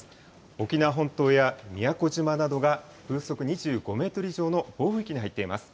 沖縄本島や宮古島などが風速２５メートル以上の暴風域に入っています。